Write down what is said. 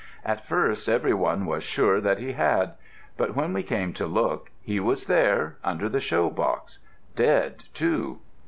At first everyone was sure that he had; but when we came to look, he was there, under the show box, dead too.